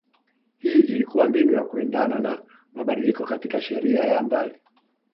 hii ilikua mbinu ya kuendana na mabadiliko katika sheria ya mbali